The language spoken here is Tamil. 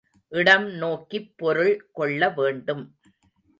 இடம் நோக்கிப் பொருள் கொள்ளவேண்டும்.